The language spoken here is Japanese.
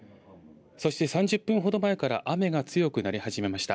そして３０分ほど前から雨が強くなり始めました。